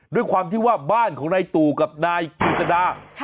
ด้วยความที่ว่าบ้านของนายตู่กับนายกฤษดา